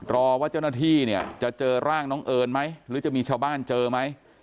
รอว่าเจ้าหน้าที่เนี่ยจะเจอร่างน้องเอิญไหมหรือจะมีชาวบ้านเจอไหม